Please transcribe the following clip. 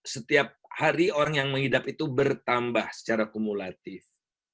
setiap hari orang yang mengidap itu bertambah secara kumulatif